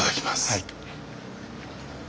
はい。